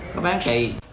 có bán chị